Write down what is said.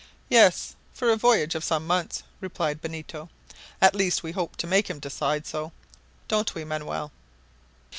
"Yes, for a voyage of some months," replied Benito. "At least we hope to make him decide so. Don't we, Manoel?"